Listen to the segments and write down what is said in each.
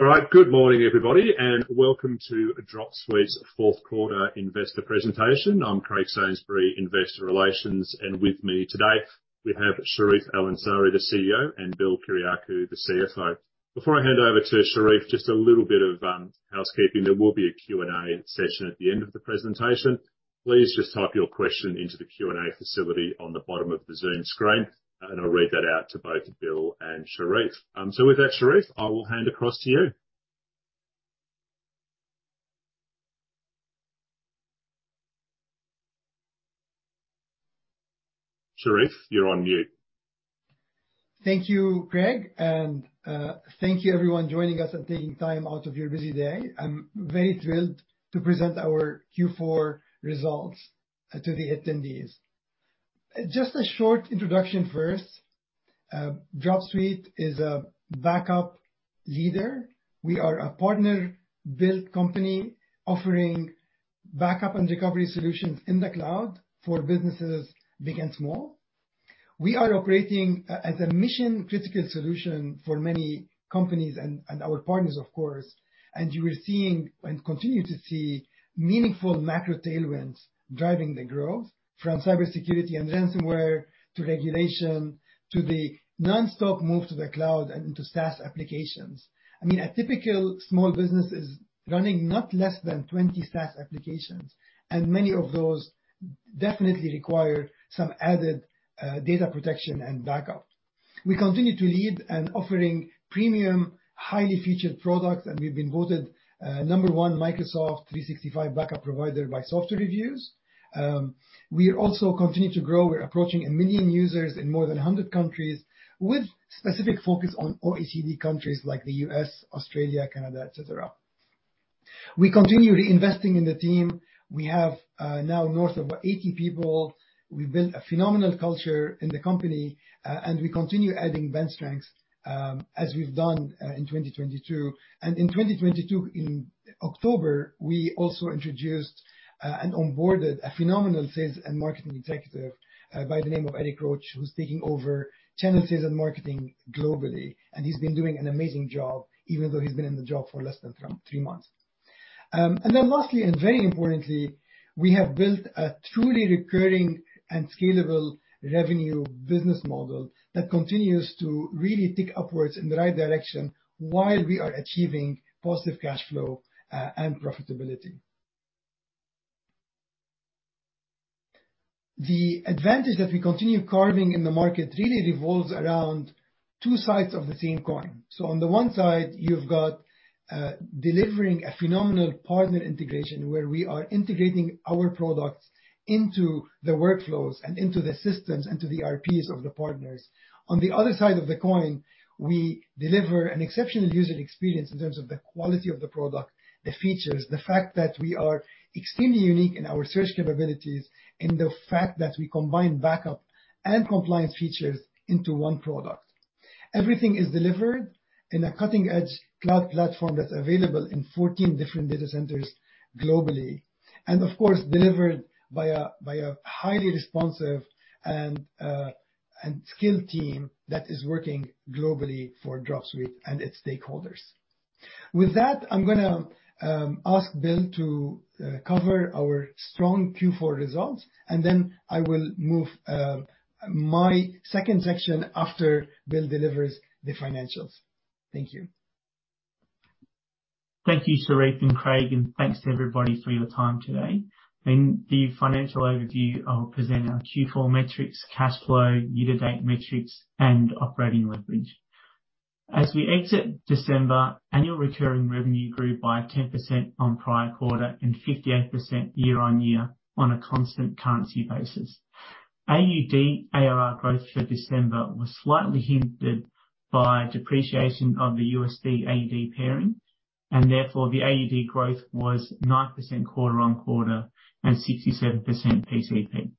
All right. Good morning, everybody, welcome to Dropsuite's Fourth Quarter Investor Presentation. I'm Craig Sainsbury, Investor Relations. With me today we have Charif El-Ansari, the CEO, and Bill Kyriacou, the CFO. Before I hand over to Charif, just a little bit of housekeeping. There will be a Q&A session at the end of the presentation. Please just type your question into the Q&A facility on the bottom of the Zoom screen. I'll read that out to both Bill and Charif. With that, Charif, I will hand across to you. Charif, you're on mute. Thank you, Craig, thank you everyone joining us and taking time out of your busy day. I'm very thrilled to present our Q4 results to the attendees. Just a short introduction first. Dropsuite is a backup leader. We are a partner-built company offering backup and recovery solutions in the cloud for businesses big and small. We are operating as a mission-critical solution for many companies and our partners, of course. We're seeing, and continue to see, meaningful macro tailwinds driving the growth from cybersecurity and ransomware to regulation to the nonstop move to the cloud and into SaaS applications. I mean, a typical small business is running not less than 20 SaaS applications, and many of those definitely require some added data protection and backup. We continue to lead and offering premium, highly featured products, and we've been voted, number one Microsoft 365 Backup provider by SoftwareReviews. We also continue to grow. We're approaching 1 million users in more than 100 countries with specific focus on OECD countries like the U.S., Australia, Canada, et cetera. We continue reinvesting in the team. We have now north of 80 people. We've built a phenomenal culture in the company, and we continue adding bench strength, as we've done in 2022. In 2022, in October, we also introduced and onboarded a phenomenal sales and marketing executive by the name of Eric Roach, who's taking over channel sales and marketing globally. He's been doing an amazing job, even though he's been in the job for less than three months. Lastly, and very importantly, we have built a truly recurring and scalable revenue business model that continues to really tick upwards in the right direction while we are achieving positive cash flow and profitability. The advantage that we continue carving in the market really revolves around two sides of the same coin. On the one side, you've got delivering a phenomenal partner integration where we are integrating our products into the workflows and into the systems, into the ERPs of the partners. On the other side of the coin, we deliver an exceptional user experience in terms of the quality of the product, the features, the fact that we are extremely unique in our search capabilities, and the fact that we combine backup and compliance features into one product. Everything is delivered in a cutting-edge cloud platform that's available in 14 different data centers globally, and of course, delivered by a highly responsive and skilled team that is working globally for Dropsuite and its stakeholders. With that, I'm gonna ask Bill to cover our strong Q4 results, and then I will move my second section after Bill delivers the financials. Thank you. Thank you, Charif and Craig. Thanks to everybody for your time today. In the financial overview, I'll present our Q4 metrics, cash flow, year-to-date metrics, and operating leverage. As we exit December, annual recurring revenue grew by 10% on prior quarter, 58% YoY on a constant currency basis. AUD ARR growth for December was slightly hindered by depreciation of the USD/AUD pairing. Therefore, the AUD growth was 9% QoQ and 67% PCP.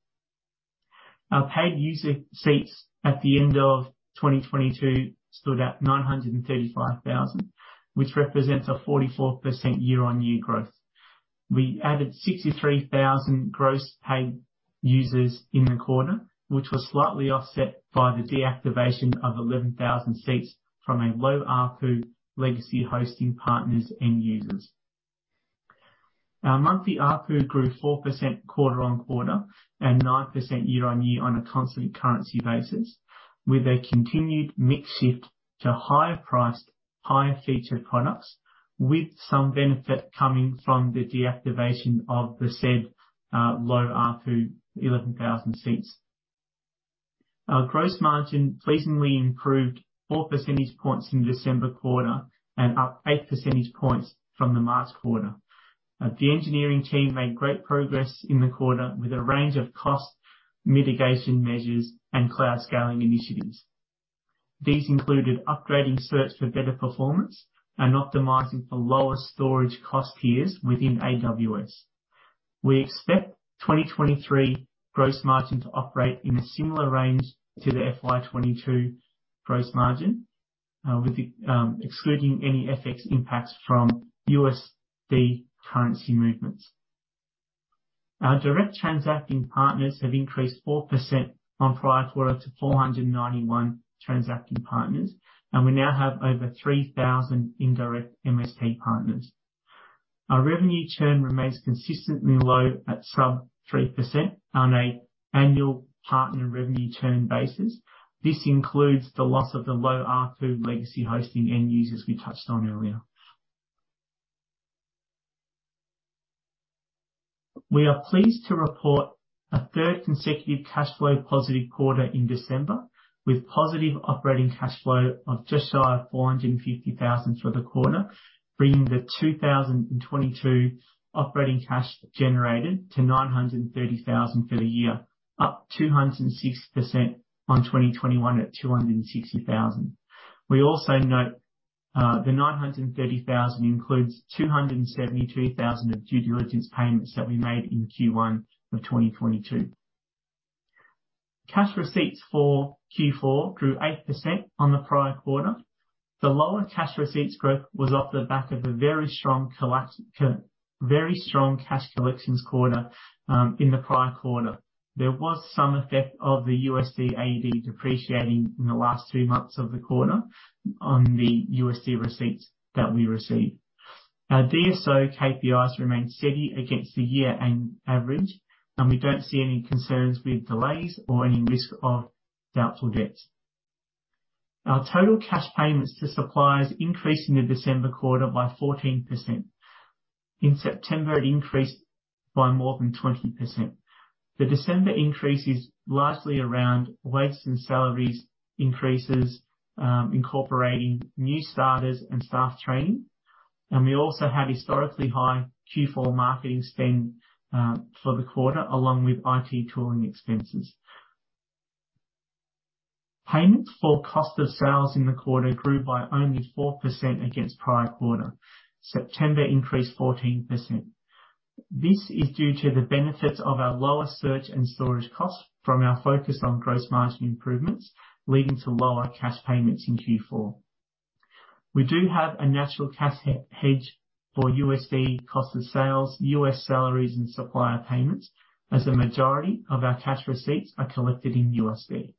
Our paid user seats at the end of 2022 stood at 935,000, which represents a 44% YoY growth. We added 63,000 gross paid users in the quarter, which was slightly offset by the deactivation of 11,000 seats from a low ARPU legacy hosting partners end users. Our monthly ARPU grew 4% quarter-on-quarter and 9% year-on-year on a constant currency basis, with a continued mix shift to higher priced, higher featured products, with some benefit coming from the deactivation of the said, low ARPU 11,000 seats. Our gross margin pleasingly improved 4 percentage points in December quarter and up 8 percentage points from the March quarter. The engineering team made great progress in the quarter with a range of cost mitigation measures and cloud scaling initiatives. These included upgrading search for better performance and optimizing for lower storage cost tiers within AWS. We expect 2023 gross margin to operate in a similar range to the FY22 gross margin, excluding any FX impacts from USD currency movements. Our direct transacting partners have increased 4% on prior quarter to 491 transacting partners, and we now have over 3,000 indirect MSP partners. Our revenue churn remains consistently low at sub 3% on a annual partner revenue churn basis. This includes the loss of the low ARPU legacy hosting end users we touched on earlier. We are pleased to report a third consecutive cash flow positive quarter in December, with positive operating cash flow of just shy of 450,000 for the quarter, bringing the 2022 operating cash generated to 930,000 for the year, up 260% on 2021 at 260,000. We also note, the 930,000 includes 272,000 of due diligence payments that we made in Q1 of 2022. Cash receipts for Q4 grew 8% on the prior quarter. The lower cash receipts growth was off the back of a very strong cash collections quarter in the prior quarter. There was some effect of the USD AUD depreciating in the last two months of the quarter on the USD receipts that we received. Our DSO KPIs remain steady against the year end average, and we don't see any concerns with delays or any risk of doubtful debts. Our total cash payments to suppliers increased in the December quarter by 14%. In September, it increased by more than 20%. The December increase is largely around wages and salaries increases, incorporating new starters and staff training. We also had historically high Q4 marketing spend for the quarter, along with IT tooling expenses. Payments for cost of sales in the quarter grew by only 4% against prior quarter. September increased 14%. This is due to the benefits of our lower search and storage costs from our focus on gross margin improvements, leading to lower cash payments in Q4. We do have a natural cash hedge for USD cost of sales, US salaries, and supplier payments, as the majority of our cash receipts are collected in USD.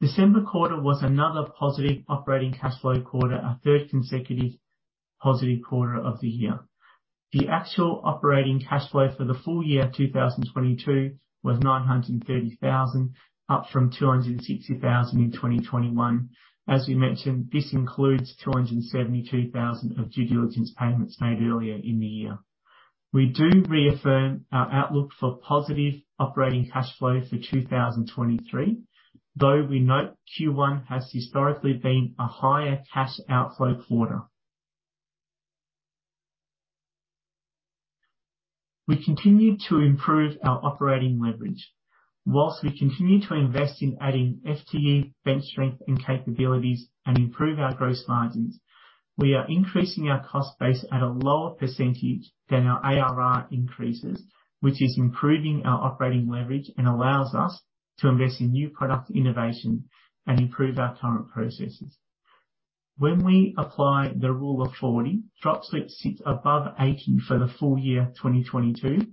December quarter was another positive operating cash flow quarter, our third consecutive positive quarter of the year. The actual operating cash flow for the full year 2022 was 930,000, up from 260,000 in 2021. As we mentioned, this includes 272,000 of due diligence payments made earlier in the year. We do reaffirm our outlook for positive operating cash flow for 2023, though we note Q1 has historically been a higher cash outflow quarter. We continue to improve our operating leverage. Whilst we continue to invest in adding FTE, bench strength, and capabilities and improve our gross margins, we are increasing our cost base at a lower percentage than our ARR increases, which is improving our operating leverage and allows us to invest in new product innovation and improve our current processes. When we apply the Rule of 40, Dropsuite sits above 80 for the full year 2022,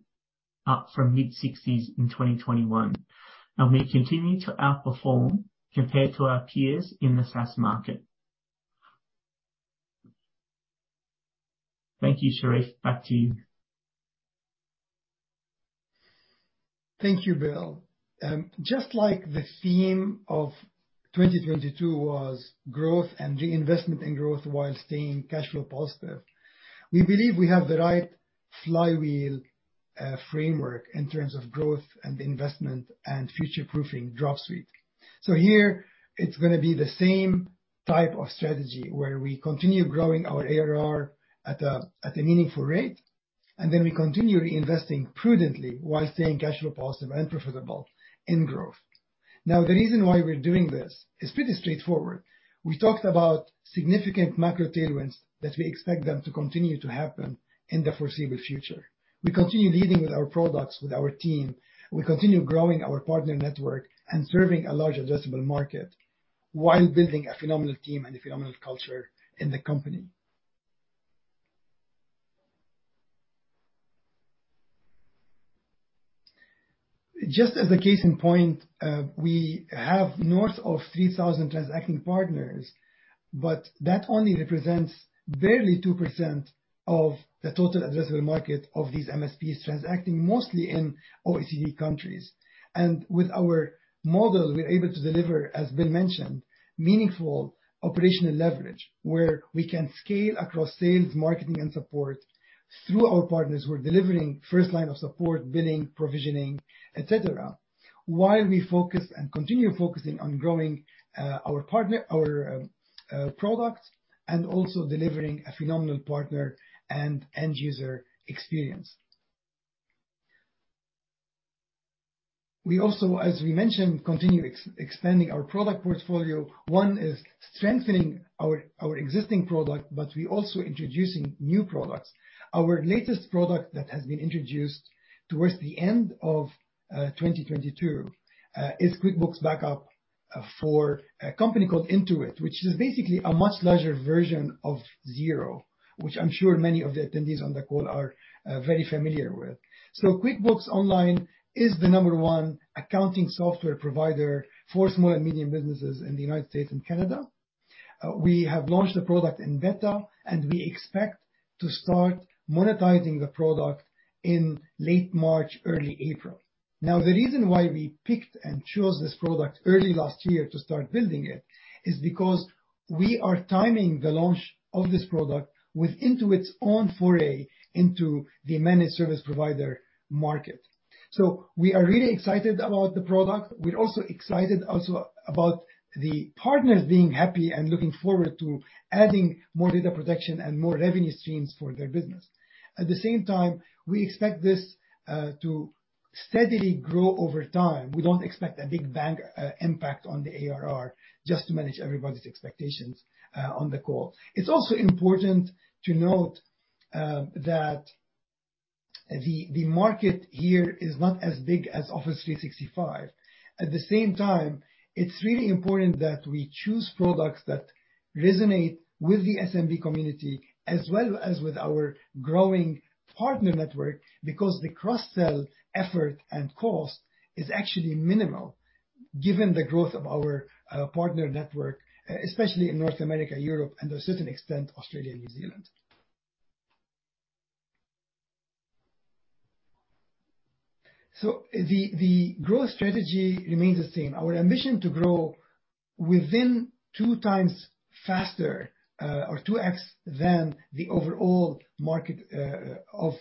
up from mid-60s in 2021, and we continue to outperform compared to our peers in the SaaS market. Thank you, Charif. Back to you. Thank you, Bill. Just like the theme of 2022 was growth and reinvestment in growth while staying cash flow positive, we believe we have the right flywheel framework in terms of growth and investment and future-proofing Dropsuite. Here it's gonna be the same type of strategy where we continue growing our ARR at a meaningful rate, and then we continue reinvesting prudently while staying cash flow positive and profitable in growth. The reason why we're doing this is pretty straightforward. We talked about significant macro tailwinds, that we expect them to continue to happen in the foreseeable future. We continue leading with our products, with our team. We continue growing our partner network and serving a large addressable market while building a phenomenal team and a phenomenal culture in the company. Just as a case in point, we have north of 3,000 transacting partners, but that only represents barely 2% of the total addressable market of these MSPs transacting mostly in OECD countries. With our model, we're able to deliver, as Bill mentioned, meaningful operational leverage, where we can scale across sales, marketing, and support. Through our partners, we're delivering first line of support, billing, provisioning, et cetera, while we focus and continue focusing on growing our partner, our product and also delivering a phenomenal partner and end user experience. We also, as we mentioned, continue expanding our product portfolio. One is strengthening our existing product, but we're also introducing new products. Our latest product that has been introduced towards the end of 2022, is QuickBooks Backup for a company called Intuit, which is basically a much larger version of Xero, which I'm sure many of the attendees on the call are very familiar with. QuickBooks Online is the number one accounting software provider for small and medium businesses in the United States and Canada. We have launched the product in beta, and we expect to start monetizing the product in late March, early April. The reason why we picked and chose this product early last year to start building it is because we are timing the launch of this product with Intuit's own foray into the managed service provider market. We are really excited about the product. We're also excited about the partners being happy and looking forward to adding more data protection and more revenue streams for their business. At the same time, we expect this to steadily grow over time. We don't expect a big bang impact on the ARR, just to manage everybody's expectations on the call. It's also important to note that the market here is not as big as Microsoft 365. At the same time, it's really important that we choose products that resonate with the SMB community as well as with our growing partner network, especially in North America, Europe, and to a certain extent, Australia and New Zealand. The growth strategy remains the same. Our ambition to grow within 2 times faster, or 2x than the overall market, of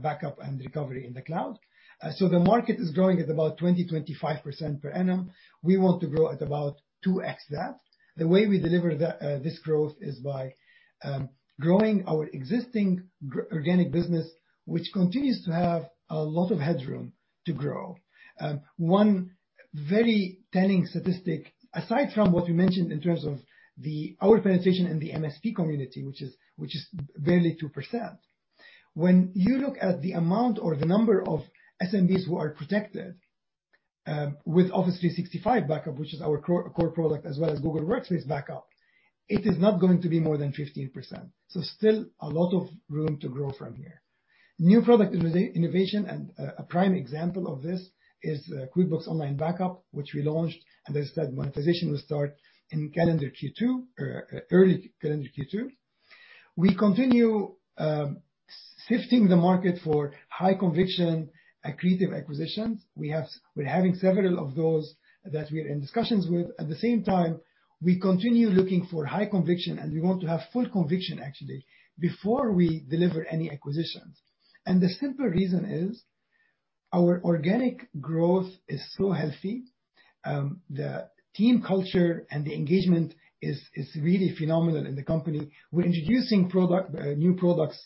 backup and recovery in the cloud. The market is growing at about 20%-25% per annum. We want to grow at about 2x that. The way we deliver this growth is by growing our existing organic business, which continues to have a lot of headroom to grow. One very telling statistic, aside from what we mentioned in terms of the... our penetration in the MSP community, which is barely 2%. When you look at the amount or the number of SMBs who are protected, with Office 365 backup, which is our core product, as well as Google Workspace backup, it is not going to be more than 15%. Still a lot of room to grow from here. New product innovation, and a prime example of this is QuickBooks Online Backup, which we launched, and as I said, monetization will start in calendar Q2, or early calendar Q2. We continue sifting the market for high conviction, accretive acquisitions. We're having several of those that we are in discussions with. At the same time, we continue looking for high conviction, and we want to have full conviction, actually, before we deliver any acquisitions. The simple reason is our organic growth is so healthy, the team culture and the engagement is really phenomenal in the company. We're introducing new products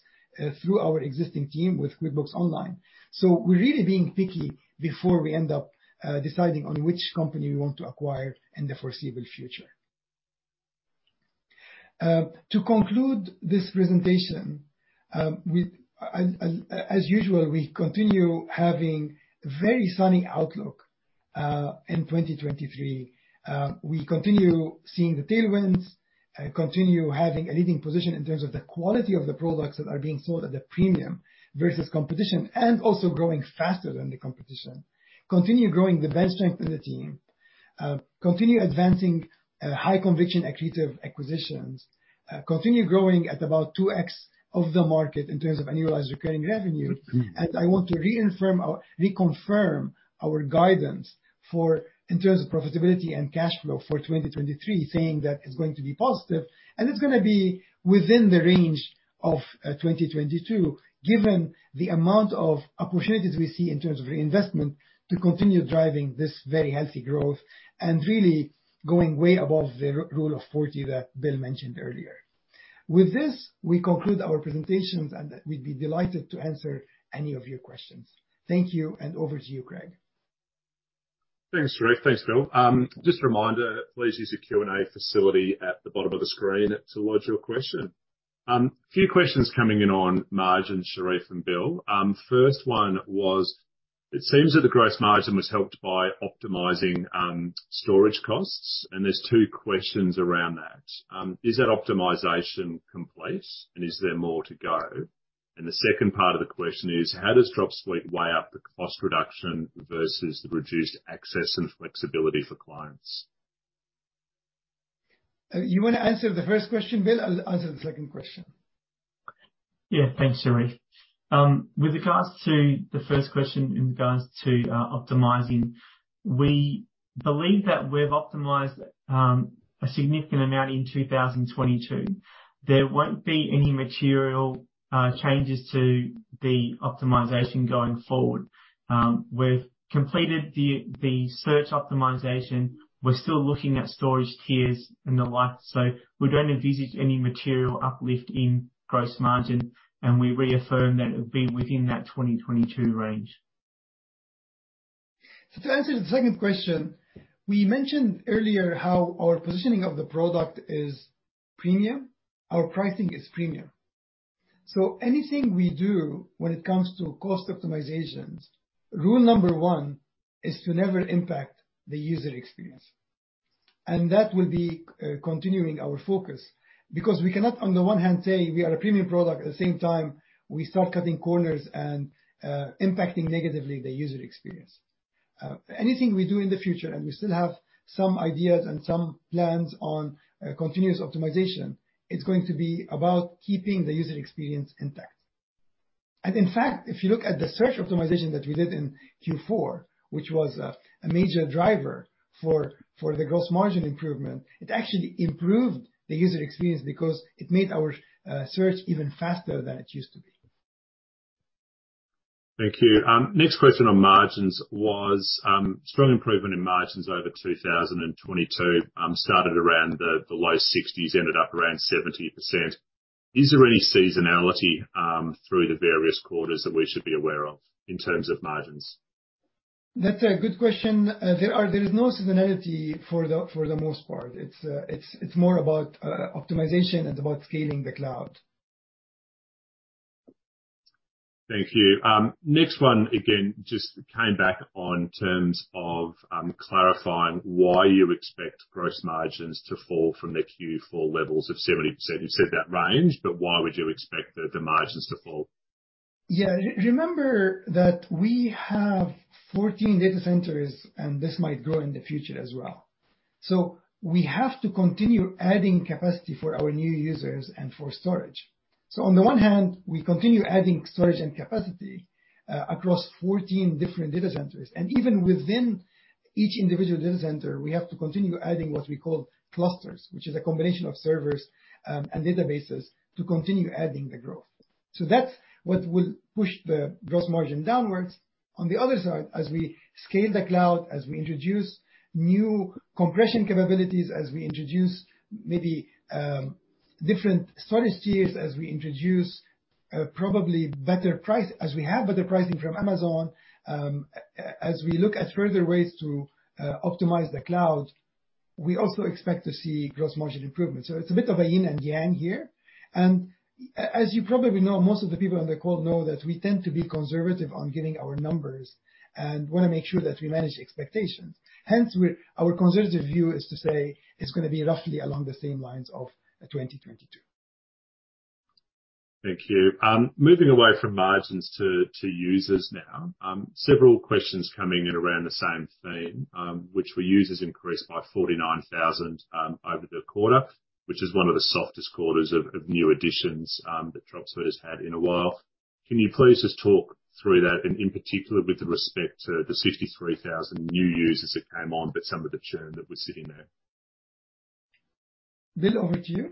through our existing team with QuickBooks Online. We're really being picky before we end up deciding on which company we want to acquire in the foreseeable future. To conclude this presentation, as usual, we continue having very sunny outlook in 2023. We continue seeing the tailwinds, continue having a leading position in terms of the quality of the products that are being sold at a premium versus competition, and also growing faster than the competition. Continue growing the bench strength in the team, continue advancing high conviction accretive acquisitions, continue growing at about 2x of the market in terms of annualized recurring revenue. I want to reaffirm reconfirm our guidance for, in terms of profitability and cash flow for 2023, saying that it's going to be positive, and it's gonna be within the range of 2022, given the amount of opportunities we see in terms of reinvestment to continue driving this very healthy growth and really going way above the Rule of 40 that Bill mentioned earlier. With this, we conclude our presentations, and we'd be delighted to answer any of your questions. Thank you, and over to you, Craig. Thanks, Charif. Thanks, Bill. Just a reminder, please use the Q&A facility at the bottom of the screen to lodge your question. Few questions coming in on margin, Charif and Bill. First one was, it seems that the gross margin was helped by optimizing, storage costs, and there's two questions around that. Is that optimization complete, and is there more to go? The second part of the question is: how does Dropsuite weigh up the cost reduction versus the reduced access and flexibility for clients? You wanna answer the first question, Bill? I'll, answer the second question. Thanks, Charif. With regards to the first question in regards to optimizing, we believe that we've optimized a significant amount in 2022. There won't be any material changes to the optimization going forward. We've completed the search optimization. We're still looking at storage tiers and the like, so we don't envisage any material uplift in gross margin. We reaffirm that it will be within that 2022 range. To answer the second question, we mentioned earlier how our positioning of the product is premium. Our pricing is premium. Anything we do when it comes to cost optimizations, rule number one is to never impact the user experience. That will be continuing our focus, because we cannot, on the one hand, say we are a premium product, at the same time we start cutting corners and impacting negatively the user experience. Anything we do in the future, and we still have some ideas and some plans on continuous optimization, it's going to be about keeping the user experience intact. In fact, if you look at the search optimization that we did in Q4, which was a major driver for the gross margin improvement, it actually improved the user experience because it made our search even faster than it used to be. Thank you. next question on margins was, strong improvement in margins over 2022, started around the low 60s, ended up around 70%. Is there any seasonality, through the various quarters that we should be aware of in terms of margins? That's a good question. There is no seasonality for the most part. It's more about optimization and about scaling the cloud. Thank you. Next one, again, just came back on terms of, clarifying why you expect gross margins to fall from the Q4 levels of 70%. You said that range, why would you expect the margins to fall? Yeah. Remember that we have 14 data centers, this might grow in the future as well. We have to continue adding capacity for our new users and for storage. On the one hand, we continue adding storage and capacity across 14 different data centers. Even within each individual data center, we have to continue adding what we call clusters, which is a combination of servers and databases to continue adding the growth. That's what will push the gross margin downwards. On the other side, as we scale the cloud, as we introduce new compression capabilities, as we introduce maybe different storage tiers, as we introduce probably better price, as we have better pricing from Amazon, as we look at further ways to optimize the cloud, we also expect to see gross margin improvements. It's a bit of a yin and yang here. As you probably know, most of the people on the call know that we tend to be conservative on giving our numbers and wanna make sure that we manage expectations. Hence our conservative view is to say it's gonna be roughly along the same lines of 2022. Thank you. Moving away from margins to users now. Several questions coming in around the same theme, which were users increased by 49,000 over the quarter, which is one of the softest quarters of new additions that Dropsuite has had in a while. Can you please just talk through that, and in particular with respect to the 63,000 new users that came on, but some of the churn that was sitting there? Bill, over to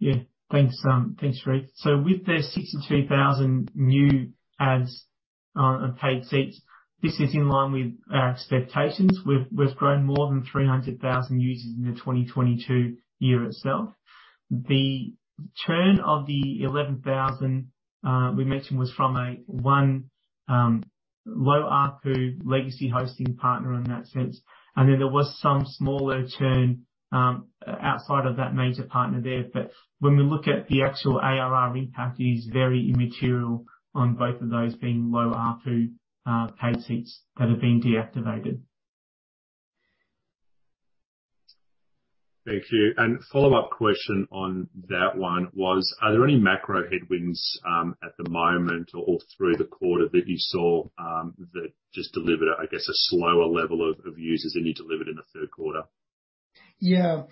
you. Thanks, thanks, Charif. With the 63,000 new adds and paid seats, this is in line with our expectations. We've grown more than 300,000 users in the 2022 year itself. The churn of the 11,000 we mentioned was from one low ARPU legacy hosting partner in that sense. There was some smaller churn outside of that major partner there. When we look at the actual ARR impact, it is very immaterial on both of those being low ARPU paid seats that have been deactivated. Thank you. follow-up question on that one was, are there any macro headwinds at the moment or all through the quarter that you saw that just delivered, I guess, a slower level of users than you delivered in the third quarter? Yeah.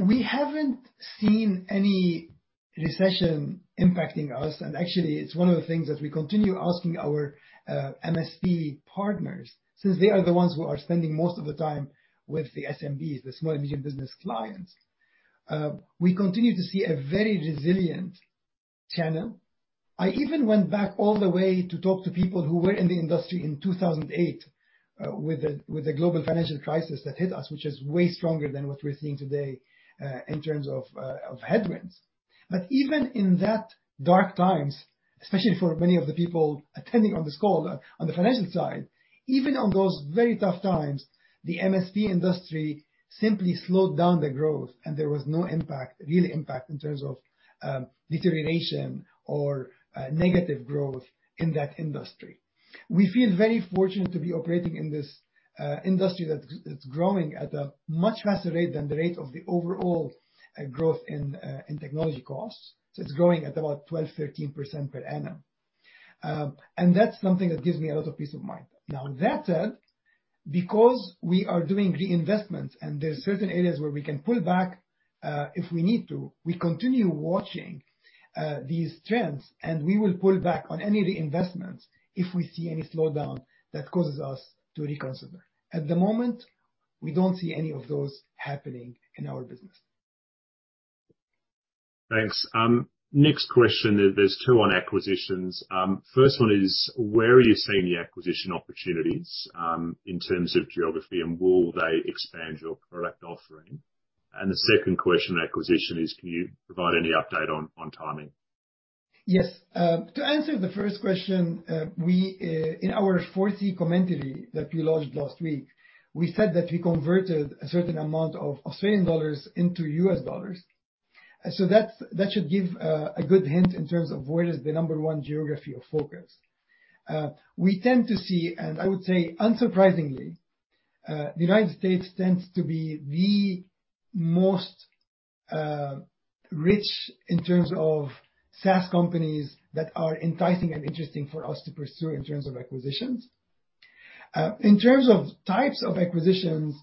We haven't seen any recession impacting us, and actually it's one of the things that we continue asking our MSP partners, since they are the ones who are spending most of the time with the SMBs, the small and medium business clients. We continue to see a very resilient channel. I even went back all the way to talk to people who were in the industry in 2008, with the global financial crisis that hit us, which is way stronger than what we're seeing today, in terms of headwinds. Even in that dark times, especially for many of the people attending on this call on the financial side, even on those very tough times, the MSP industry simply slowed down the growth, and there was no impact, real impact in terms of deterioration or negative growth in that industry. We feel very fortunate to be operating in this industry that's growing at a much faster rate than the rate of the overall growth in technology costs. It's growing at about 12%, 13% per annum. That's something that gives me a lot of peace of mind. That said, because we are doing reinvestments and there are certain areas where we can pull back, if we need to, we continue watching these trends, and we will pull back on any reinvestments if we see any slowdown that causes us to reconsider. At the moment, we don't see any of those happening in our business. Thanks. next question, there's two on acquisitions. first one is: Where are you seeing the acquisition opportunities, in terms of geography, and will they expand your product offering? The second question on acquisition is: Can you provide any update on timing? Yes. To answer the first question, we in our 4E commentary that we launched last week, we said that we converted a certain amount of Australian dollars into US dollars. That should give a good hint in terms of where is the number one geography of focus. We tend to see, and I would say unsurprisingly, the United States tends to be the most rich in terms of SaaS companies that are enticing and interesting for us to pursue in terms of acquisitions. In terms of types of acquisitions,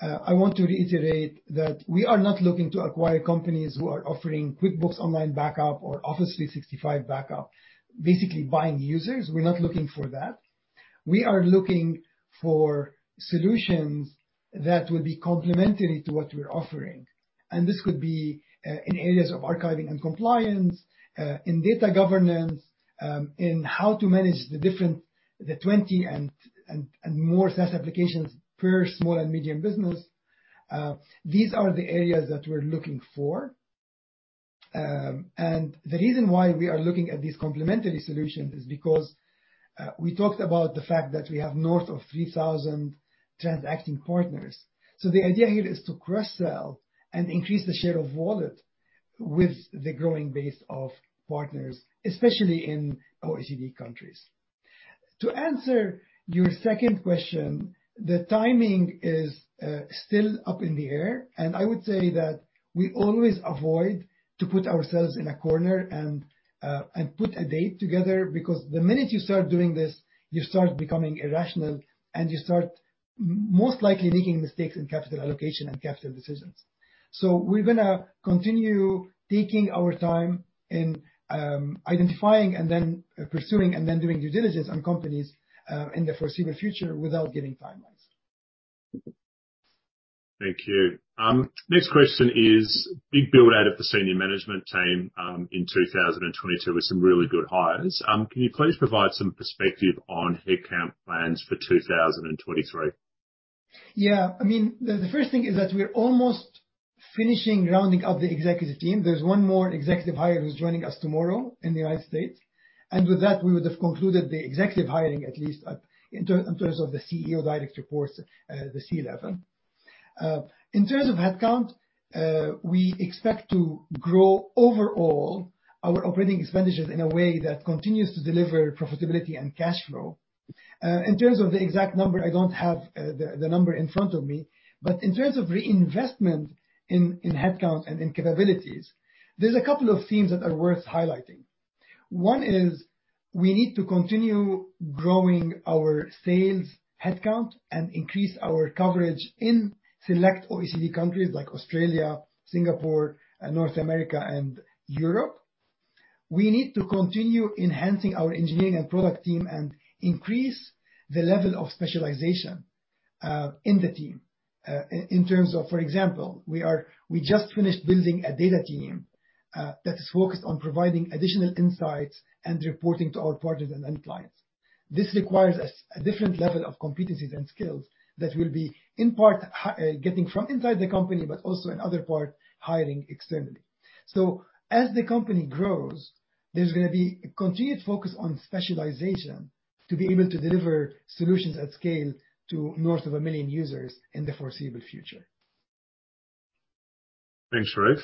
I want to reiterate that we are not looking to acquire companies who are offering QuickBooks Online Backup or Office 365 backup. Basically buying users, we're not looking for that. We are looking for solutions that will be complementary to what we're offering. This could be in areas of archiving and compliance, in data governance, in how to manage the different the 20 and more SaaS applications per small and medium business. These are the areas that we're looking for. The reason why we are looking at these complementary solutions is because we talked about the fact that we have north of 3,000 transacting partners. The idea here is to cross-sell and increase the share of wallet with the growing base of partners, especially in OECD countries. To answer your second question, the timing is still up in the air. I would say that we always avoid to put ourselves in a corner and put a date together, because the minute you start doing this, you start becoming irrational, and you start most likely making mistakes in capital allocation and capital decisions. We're gonna continue taking our time in identifying and then pursuing and then doing due diligence on companies in the foreseeable future without giving timelines. Thank you. Next question is, big build out of the senior management team, in 2022 with some really good hires. Can you please provide some perspective on headcount plans for 2023? Yeah. I mean, the first thing is that we're almost finishing rounding up the executive team. There's one more executive hire who's joining us tomorrow in the United States, and with that, we would have concluded the executive hiring, at least in terms of the CEO direct reports, the C-level. In terms of headcount, we expect to grow overall our operating expenditures in a way that continues to deliver profitability and cash flow. In terms of the exact number, I don't have the number in front of me, but in terms of reinvestment in headcount and in capabilities, there's a couple of themes that are worth highlighting. One is we need to continue growing our sales headcount and increase our coverage in select OECD countries like Australia, Singapore, North America and Europe. We need to continue enhancing our engineering and product team and increase the level of specialization in the team. In terms of, for example, we just finished building a data team that is focused on providing additional insights and reporting to our partners and end clients. This requires us a different level of competencies and skills that we'll be, in part, getting from inside the company, but also in other part, hiring externally. As the company grows, there's gonna be a continued focus on specialization to be able to deliver solutions at scale to north of 1 million users in the foreseeable future. Thanks, Charif.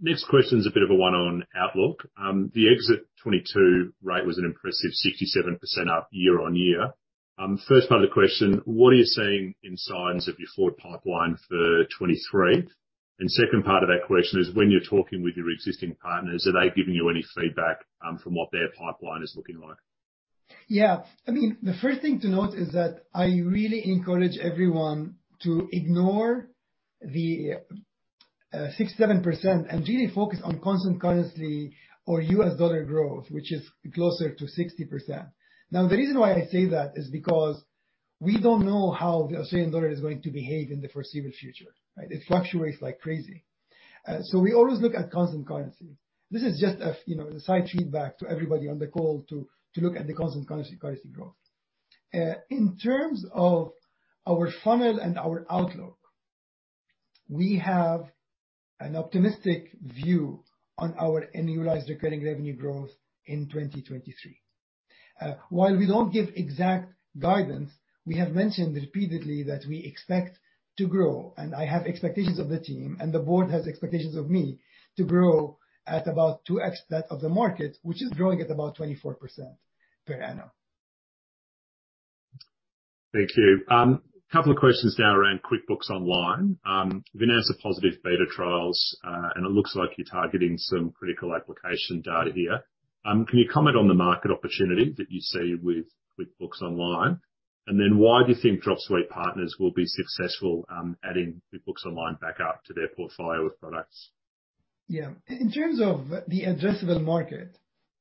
Next question is a bit of a one on outlook. The exit 2022 rate was an impressive 67% up year-on-year. First part of the question, what are you seeing in signs of your forward pipeline for 2023? Second part of that question is when you're talking with your existing partners, are they giving you any feedback from what their pipeline is looking like? Yeah. I mean, the first thing to note is that I really encourage everyone to ignore the 6%-7% and really focus on constant currency or US dollar growth, which is closer to 60%. The reason why I say that is because we don't know how the Australian dollar is going to behave in the foreseeable future, right? It fluctuates like crazy. We always look at constant currency. This is just a, you know, a side feedback to everybody on the call to look at the constant currency growth. In terms of our funnel and our outlook, we have an optimistic view on our annualized recurring revenue growth in 2023. While we don't give exact guidance, we have mentioned repeatedly that we expect to grow, and I have expectations of the team, and the board has expectations of me to grow at about 2x that of the market, which is growing at about 24% per annum. Thank you. Couple of questions now around QuickBooks Online. You've announced the positive beta trials, and it looks like you're targeting some critical application data here. Can you comment on the market opportunity that you see with QuickBooks Online? Why do you think Dropsuite partners will be successful, adding QuickBooks Online back up to their portfolio of products? In terms of the addressable market,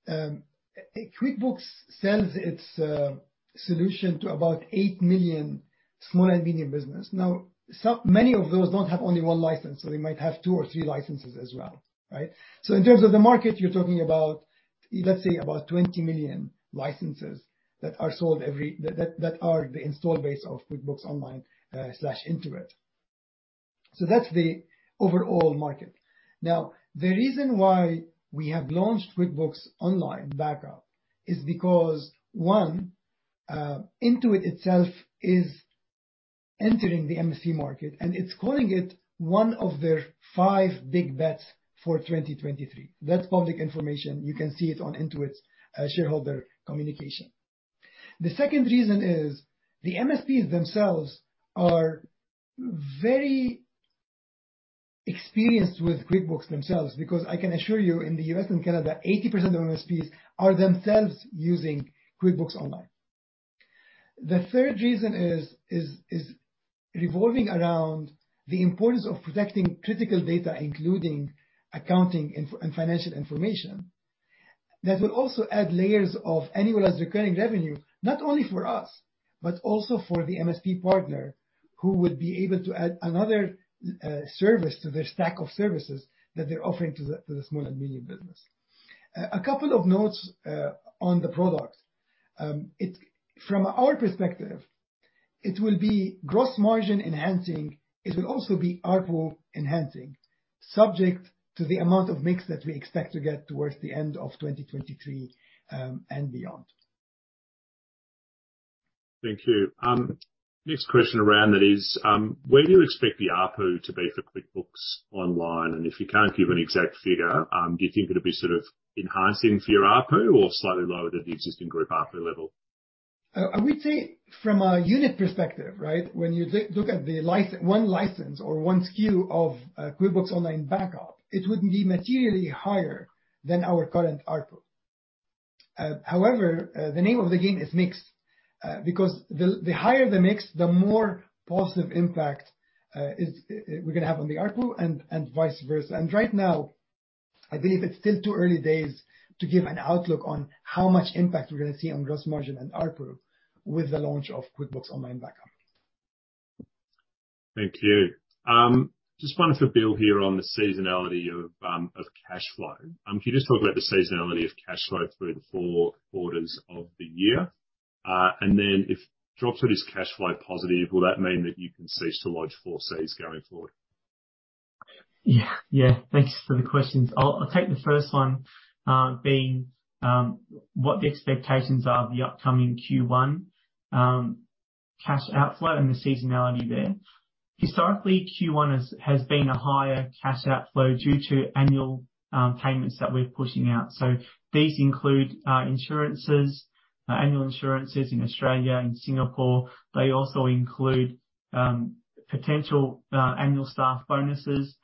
QuickBooks sells its solution to about 8 million small and medium business. Many of those don't have only one license, so they might have two or three licenses as well, right? In terms of the market, you're talking about, let's say, about 20 million licenses that are sold every that are the install base of QuickBooks Online slash Intuit. So that's the overall market. The reason why we have launched QuickBooks Online Backup is because, one, Intuit itself is entering the MSP market, and it's calling it one of their five big bets for 2023. That's public information. You can see it on Intuit's shareholder communication. The second reason is the MSPs themselves are very experienced with QuickBooks themselves, because I can assure you, in the U.S. and Canada, 80% of MSPs are themselves using QuickBooks Online. The third reason is revolving around the importance of protecting critical data, including accounting and financial information. That will also add layers of annual as recurring revenue, not only for us, but also for the MSP partner who would be able to add another service to their stack of services that they're offering to the small and medium business. A couple of notes on the product. From our perspective, it will be gross margin enhancing. It will also be ARPU enhancing, subject to the amount of mix that we expect to get towards the end of 2023 and beyond. Thank you. Next question around that is, where do you expect the ARPU to be for QuickBooks Online? If you can't give an exact figure, do you think it'll be sort of enhancing for your ARPU or slightly lower than the existing group ARPU level? I would say from a unit perspective, right? When you look at the one license or one SKU of QuickBooks Online Backup, it wouldn't be materially higher than our current ARPU. However, the name of the game is mix, because the higher the mix, the more positive impact is we're gonna have on the ARPU and vice versa. Right now, I believe it's still too early days to give an outlook on how much impact we're gonna see on gross margin and ARPU with the launch of QuickBooks Online Backup. Thank you. Just one for Bill here on the seasonality of cash flow. Can you just talk about the seasonality of cash flow through the four quarters of the year? If Dropsuite is cash flow positive, will that mean that you can cease to lodge 4Cs going forward? Thanks for the questions. I'll take the first one, what the expectations are of the upcoming Q1 cash outflow and the seasonality there. Historically, Q1 has been a higher cash outflow due to annual payments that we're pushing out. These include insurances, annual insurances in Australia and Singapore. They also include potential annual staff bonuses,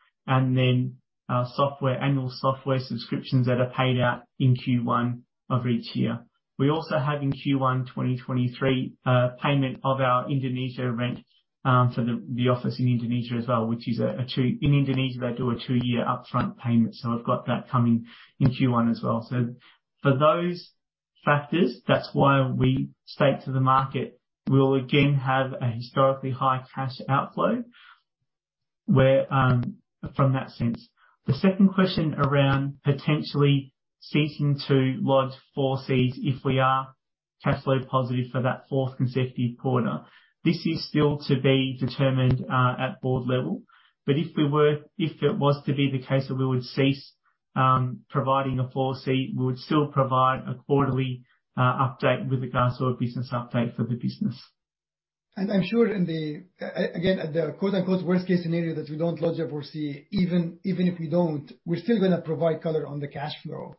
annual software subscriptions that are paid out in Q1 of each year. We also have in Q1 2023 a payment of our Indonesia rent for the office in Indonesia as well. In Indonesia, they do a two-year upfront payment, we've got that coming in Q1 as well. For those factors, that's why we state to the market we'll again have a historically high cash outflow where, from that sense. The second question around potentially ceasing to lodge 4Cs if we are cash flow positive for that fourth consecutive quarter. This is still to be determined at board level. If we were, if it was to be the case that we would cease providing a 4C, we would still provide a quarterly update with regards to a business update for the business. I'm sure in the again, the quote, unquote, "worst case scenario" that we don't lodge a 4C, even if we don't, we're still gonna provide color on the cash flow.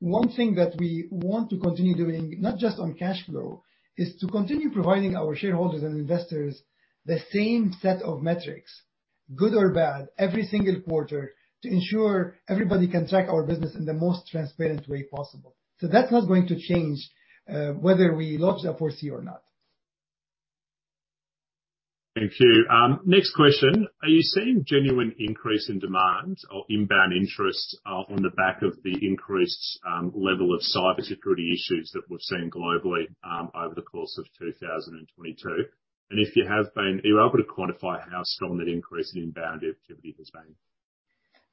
One thing that we want to continue doing, not just on cash flow, is to continue providing our shareholders and investors the same set of metrics, good or bad, every single quarter to ensure everybody can track our business in the most transparent way possible. That's not going to change whether we lodge a 4C or not. Thank you. next question: Are you seeing genuine increase in demand or inbound interest on the back of the increased level of cybersecurity issues that we've seen globally over the course of 2022? If you have been, are you able to quantify how strong that increase in inbound activity has been?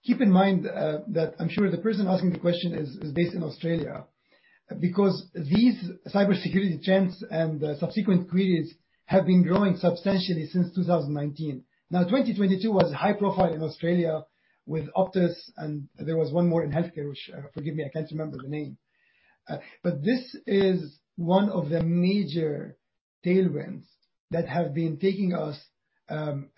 Keep in mind that I'm sure the person asking the question is based in Australia because these cybersecurity trends and the subsequent queries have been growing substantially since 2019. 2022 was high profile in Australia with Optus, and there was one more in healthcare which, forgive me, I can't remember the name. But this is one of the major tailwinds that have been taking us and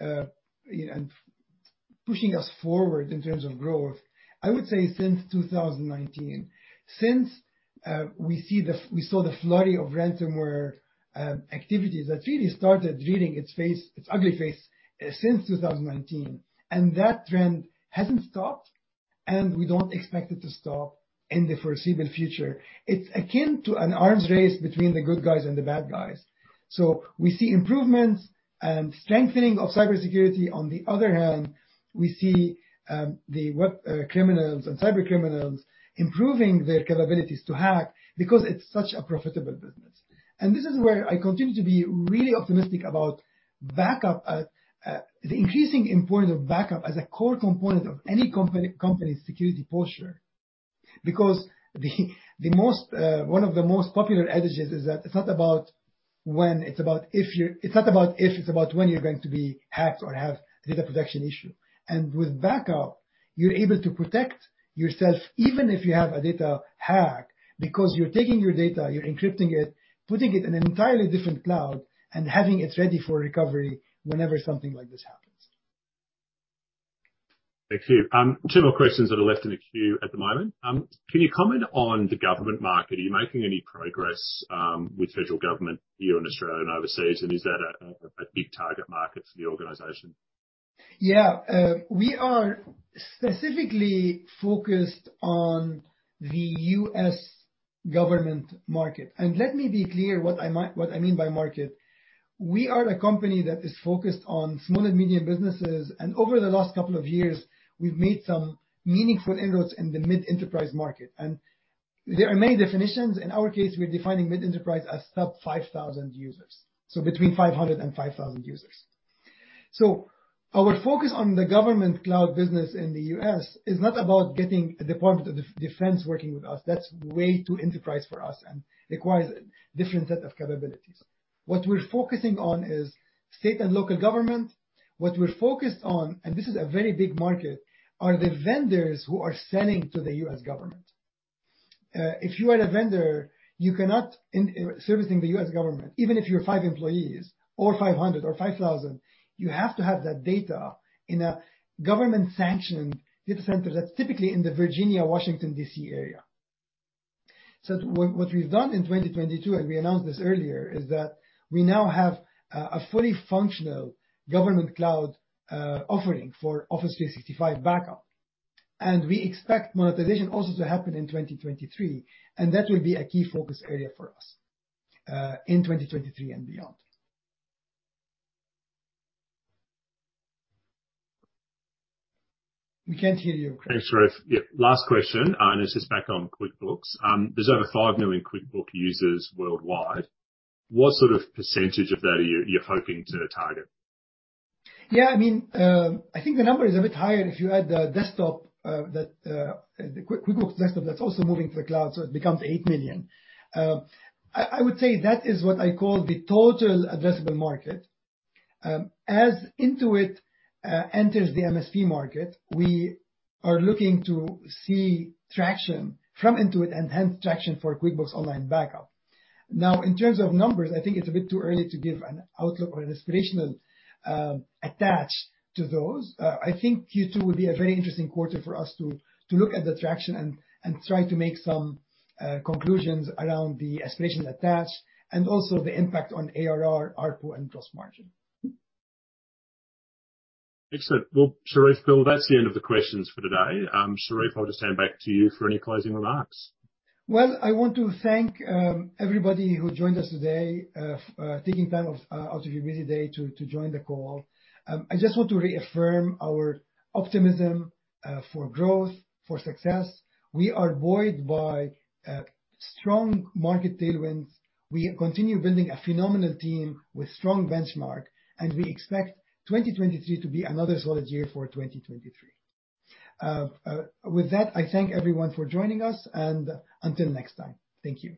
pushing us forward in terms of growth, I would say since 2019. Since we saw the flurry of ransomware activities that really started rearing its ugly face since 2019. That trend hasn't stopped, and we don't expect it to stop in the foreseeable future. It's akin to an arms race between the good guys and the bad guys. We see improvements and strengthening of cybersecurity. On the other hand, we see the web criminals and cybercriminals improving their capabilities to hack because it's such a profitable business. This is where I continue to be really optimistic about backup, the increasing importance of backup as a core component of any company's security posture. Because the most, one of the most popular adages is that It's not about if, it's about when you're going to be hacked or have data protection issue. With backup, you're able to protect yourself even if you have a data hack, because you're taking your data, you're encrypting it, putting it in an entirely different cloud, and having it ready for recovery whenever something like this happens. Thank you. Two more questions that are left in the queue at the moment. Can you comment on the government market? Are you making any progress, with federal government here in Australia and overseas? Is that a big target market for the organization? We are specifically focused on the US government market. Let me be clear what I mean by market. We are a company that is focused on small and medium businesses, and over the last couple of years, we've made some meaningful inroads in the mid-enterprise market. There are many definitions. In our case, we're defining mid-enterprise as sub 5,000 users, so between 500 and 5,000 users. Our focus on the government cloud business in the U.S. is not about getting a Department of Defense working with us. That's way too enterprise for us and requires a different set of capabilities. What we're focusing on is state and local government. What we're focused on, this is a very big market, are the vendors who are selling to the U.S. government. If you are a vendor, you cannot servicing the U.S. government, even if you're five employees or 500 or 5,000, you have to have that data in a government-sanctioned data center that's typically in the Virginia, Washington D.C. area. What we've done in 2022, and we announced this earlier, is that we now have a fully functional government cloud offering for Microsoft 365 Backup. We expect monetization also to happen in 2023, and that will be a key focus area for us in 2023 and beyond. We can't hear you, Craig. Thanks, Charif. Yeah. Last question, This is back on QuickBooks. There's over 5 million QuickBooks users worldwide. What sort of percentage of that are you're hoping to target? Yeah. I mean, I think the number is a bit higher if you add the desktop, that, the QuickBooks Desktop that's also moving to the cloud, so it becomes 8 million. I would say that is what I call the total addressable market. As Intuit enters the MSP market, we are looking to see traction from Intuit, enhanced traction for QuickBooks Online Backup. In terms of numbers, I think it's a bit too early to give an outlook or an aspirational attach to those. I think Q2 will be a very interesting quarter for us to look at the traction and try to make some conclusions around the aspiration attach, and also the impact on ARR, ARPU, and gross margin. Excellent. Well, Charif, Bill, that's the end of the questions for today. Charif, I'll just hand back to you for any closing remarks. I want to thank everybody who joined us today, taking time out of your busy day to join the call. I just want to reaffirm our optimism for growth, for success. We are buoyed by strong market tailwinds. We continue building a phenomenal team with strong benchmark, and we expect 2023 to be another solid year. With that, I thank everyone for joining us, and until next time. Thank you.